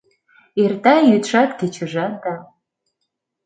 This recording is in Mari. Эрта йӱдшат-кечыжат да